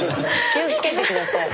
気を付けてください。